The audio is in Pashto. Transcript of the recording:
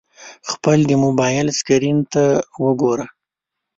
خپل د موبایل سکرین ته وګوره !